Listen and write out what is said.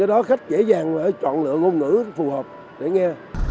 đó khách dễ dàng chọn lựa ngôn ngữ phù hợp để nghe